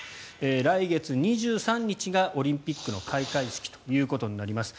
来月２３日がオリンピックの開会式ということになります。